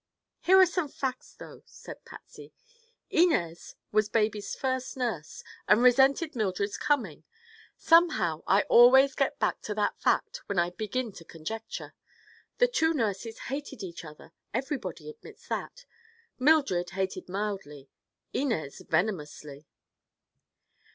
"Here are some facts, though," said Patsy. "Inez was baby's first nurse, and resented Mildred's coming. Somehow, I always get back to that fact when I begin to conjecture. The two nurses hated each other—everybody admits that. Mildred hated mildly; Inez venomously."